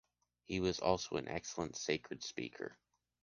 He was also an excellent sacred speaker.